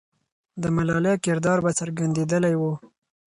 د ملالۍ کردار به څرګندېدلی وو.